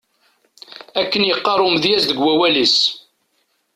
Akken yeqqar umedyaz deg wawal-is.